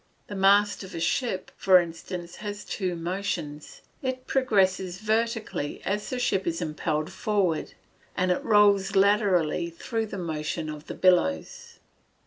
The mast of a ship, for instance, has two motions: it progresses vertically as the ship is impelled forward, and it rolls laterally through the motion of the billows.